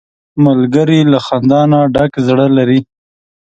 ملګری له خندا نه ډک زړه لري